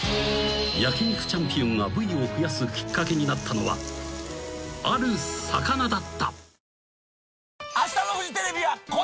［焼肉チャンピオンが部位を増やすきっかけになったのはある魚だった］